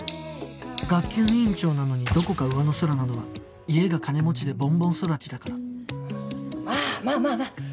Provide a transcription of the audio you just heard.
学級委員長なのにどこか上の空なのは家が金持ちでボンボン育ちだからまあまあまあまあ。